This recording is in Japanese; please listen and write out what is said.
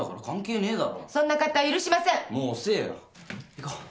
行こう。